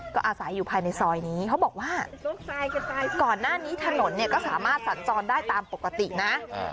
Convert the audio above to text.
ก็อาศัยอยู่ภายในซอยนี้เขาบอกว่าก่อนหน้านี้ถนนเนี่ยก็สามารถสัญจรได้ตามปกตินะ